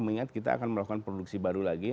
mengingat kita akan melakukan produksi baru lagi